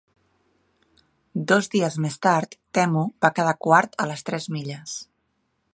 Dos dies més tard, Temu va quedar quart a les tres milles.